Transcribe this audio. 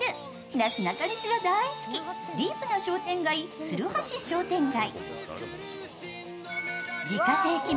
なすなかにしが大好きディープな商店街、鶴橋商店街。